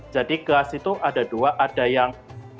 jadi kelas itu ada dua ada yang